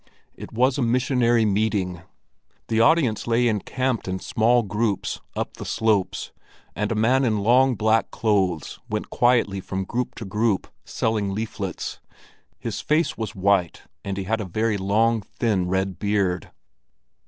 It was a missionary meeting. The audience lay encamped in small groups, up the slopes, and a man in long black clothes went quietly from group to group, selling leaflets. His face was white, and he had a very long, thin red beard.